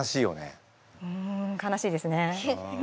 うん悲しいですね。